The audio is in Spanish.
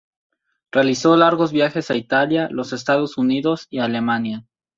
Realizó largos viajes a Italia, los Estados Unidos y Alemania.